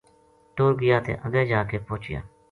ٹُر گیا تے اگے جا کے پوہچیا۔